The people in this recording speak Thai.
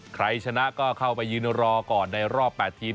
ใครชนะก็เข้าไปยืนรอก่อนในรอบ๘ทีม